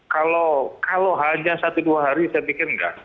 kalau hanya satu dua hari saya pikir enggak